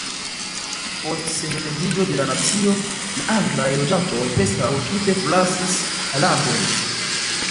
Post sendependiĝo de la nacio, la anglaj loĝantoj preskaŭ tute forlasis la landon.